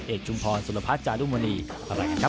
เอกชุมพรสุรพัชย์จารุมณีบ๊ายบายครับ